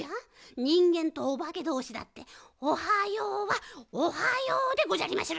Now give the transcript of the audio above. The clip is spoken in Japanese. にんげんとおばけどうしだって「おはよう」は「おはよう」でごじゃりまする。